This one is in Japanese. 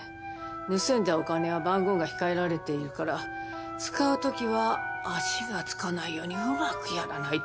盗んだお金は番号が控えられているから使う時は足がつかないようにうまくやらないとね。